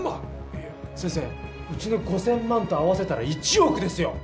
いや先生うちの５，０００万と合わせたら１億ですよ。